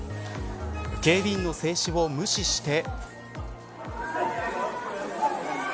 警備員の制止を無視して。